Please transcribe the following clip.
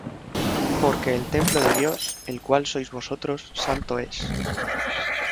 porque el templo de Dios, el cual sois vosotros, santo es.